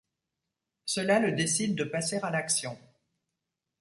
Cela le décide de passer à l'action.